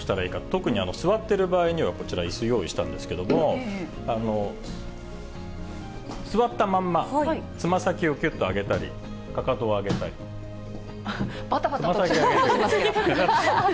特に座ってる場合にはこちら、いす用意したんですけれども、座ったまんま、つま先をきゅっと上げたり、かかとを上げたり、ばたばたとしてますけど。